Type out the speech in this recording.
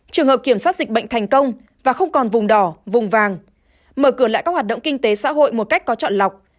trường hợp kiểm soát dịch bệnh thành công và không còn vùng đỏ vùng vàng mở cửa lại các hoạt động kinh tế xã hội một cách có trọn lọc